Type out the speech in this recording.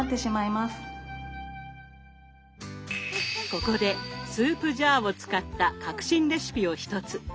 ここでスープジャーを使った革新レシピを一つ。